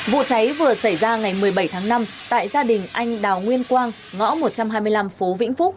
vụ cháy vừa xảy ra ngày một mươi bảy tháng năm tại gia đình anh đào nguyên quang ngõ một trăm hai mươi năm phố vĩnh phúc